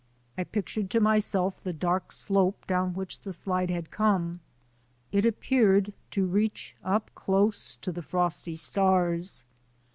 I pictured to my self the dark slope down which the slide had come. It appeared to reach up close to the frosty stars.